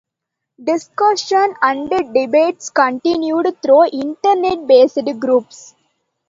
Discussion and debates continued through internet based Groups.